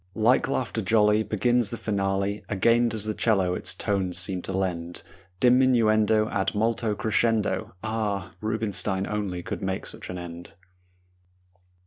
Like laughter jolly Begins the finale; Again does the 'cello its tones seem to lend Diminuendo ad molto crescendo. Ah! Rubinstein only could make such an end!